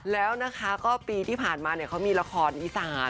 แล้วก็ปีที่ผ่านมาเขามีรายละครอิสาน